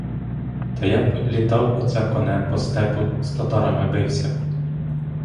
Та я б літав оце конем по степу, з татарами бився б!